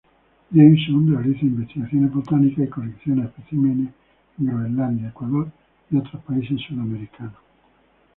Jameson realiza investigaciones botánicas y colecciona especímenes en Groenlandia, Ecuador y otros países sudamericanos.